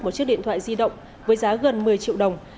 một chiếc điện thoại di động với giá gần một mươi triệu đồng